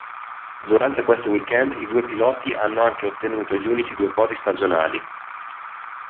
Durante questo weekend i due piloti hanno anche ottenuto gli unici due podi stagionali.